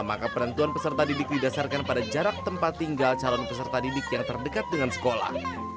maka penentuan peserta didik didasarkan pada jarak tempat tinggal calon peserta didik yang terdekat dengan sekolah